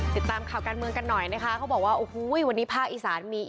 ติดตามข่าวการเมืองกันหน่อยนะคะเขาบอกว่าโอ้โหวันนี้ภาคอีสานมี